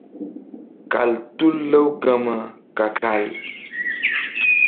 Kal tul Lawgama ka-kal.